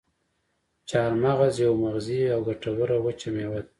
چارمغز یوه مغذي او ګټوره وچه میوه ده.